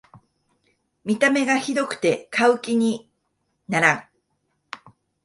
見た目がひどくて買う気にならん